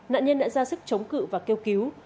nạn nhân đã ra sức chống cự và kêu cứu